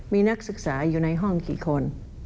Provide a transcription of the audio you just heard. มีนักศึกษาอยู่ในห้องกี่คน